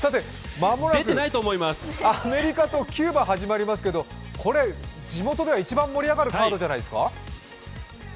間もなくアメリカとキューバが始まりますけど、地元では一番盛り上がるカードじゃないですか。